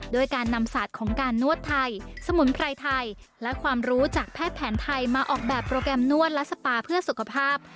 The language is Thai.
ด้วยการนำศาสตร์ของการนวดไทยสมุนไพรไทยและความรู้จากแพทย์แผนไทยมาออกแบบโปรแกรมนวดและสปาเพื่อสุขภาพ